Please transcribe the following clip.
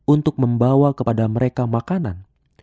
untuk membawa kepada mereka makanan